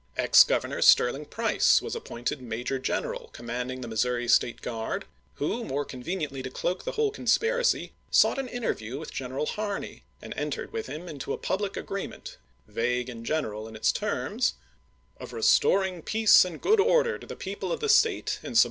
Ex Governor Sterling Price was appointed Major General commanding the Missouri State Guard, who more conveniently to cloak the whole conspiracy songht an interview with General Har ney, and entered with him into a public agreement, vague and general in its terms, " of restoring peace and good order to the people of the State in sub 220 ABRAHAM LINCOLN Chap. XI.